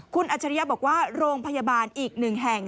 คุณอัจฉริยะบอกว่าโรงพยาบาลอีกหนึ่งแห่ง